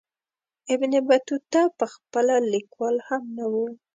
ابن بطوطه پخپله لیکوال هم نه وو.